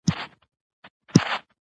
دې مقام ته بل څوک نه وه رسېدلي